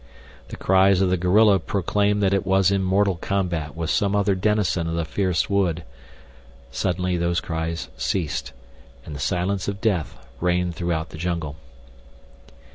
The cries of the gorilla proclaimed that it was in mortal combat with some other denizen of the fierce wood. Suddenly these cries ceased, and the silence of death reigned throughout the jungle.